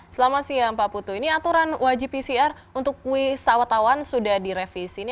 selamat siang pak putu ini aturan wajib pcr untuk wisatawan sudah direvisi